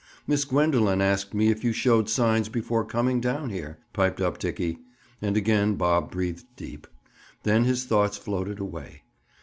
"Miss Gwendoline asked me if you'd showed signs before coming down here?" piped up Dickie. And again Bob breathed deep. Then his thoughts floated away.